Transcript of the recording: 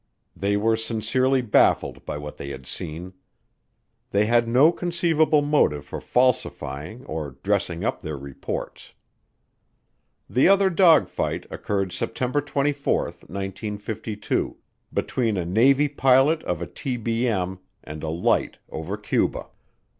They were sincerely baffled by what they had seen. They had no conceivable motive for falsifying or "dressing up" their reports. The other dogfight occurred September 24, 1952, between a Navy pilot of a TBM and a light over Cuba.